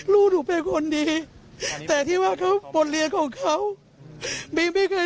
ลูกหนูเป็นคนดีแต่ที่ว่าผลเรียนของเขาไม่เคยทำผิดอะไรเลย